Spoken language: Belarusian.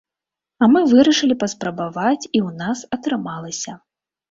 А мы вырашылі паспрабаваць, і ў нас атрымалася.